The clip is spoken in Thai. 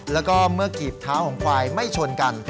แล้วก็เมื่อกีบเท้าของควายไม่ชนกัน